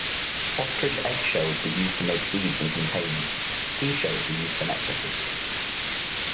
Ostrich eggshells were used to make beads and containers; seashells were used for necklaces.